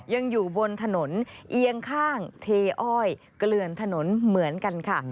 ยังอยู่บนถนนเอียงข้างเทอ้อยเกลือนถนนเหมือนกันค่ะ